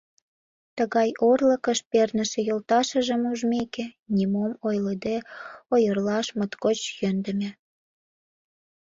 Тыгай орлыкыш перныше йолташыжым ужмеке, нимом ойлыде ойырлаш моткоч йӧндымӧ.